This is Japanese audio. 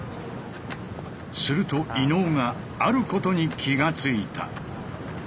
すると伊野尾が「あること」に気が付いた。